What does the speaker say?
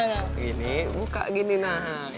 gini buka gini nah